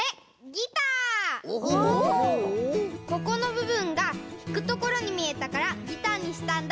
ここのぶぶんがひくところにみえたからギターにしたんだ。